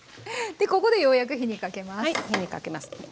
でここでようやく火にかけます。